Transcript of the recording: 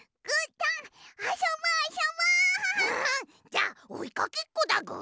じゃあおいかけっこだぐ。